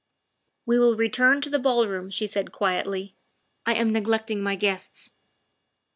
" We will return to the ballroom," she said quietly. '' I am neglecting my guests.